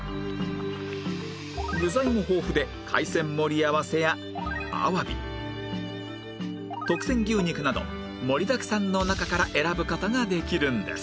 具材も豊富で海鮮盛り合わせやアワビ特選牛肉など盛りだくさんの中から選ぶ事ができるんです